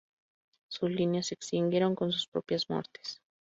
Sus líneas se extinguieron con sus propias muertes.